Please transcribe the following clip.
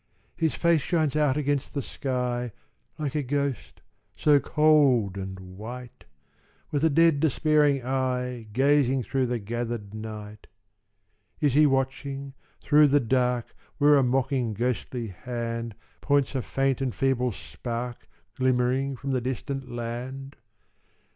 "His face shines out against the sky, Like a ghost, so cold and white; With a dead despairing eye Gazing through the gathered night. "Is he watching, through the dark Where a mocking ghostly hand Points a faint and feeble spark Glimmering from the distant land?